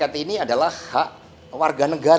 tapi ini adalah hak warga negara